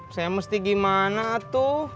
saya mesti gimana tuh